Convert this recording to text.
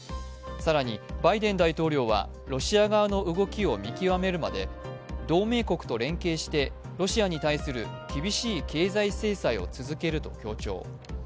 更にバイデン大統領はロシア側の動きを見極めるまで同盟国と連携してロシアに対する厳しい経済制裁を続けると強調。